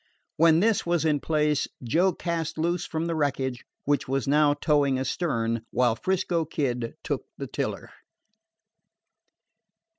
When this was in place, Joe cast loose from the wreckage, which was now towing astern, while 'Frisco Kid took the tiller.